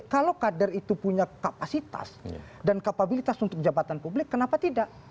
kalau kader itu punya kapasitas dan kapabilitas untuk jabatan publik kenapa tidak